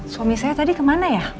suami saya tadi kemana ya